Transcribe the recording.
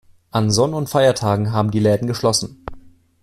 An Sonn- und Feiertagen haben die Läden geschlossen.